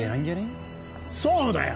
そうだよ！